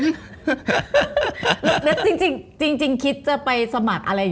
และจริงคิดจะไปสมัชอะไรมั้ย